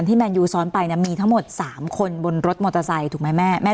แมนยูซ้อนไปมีทั้งหมด๓คนบนรถมอเตอร์ไซค์ถูกไหมแม่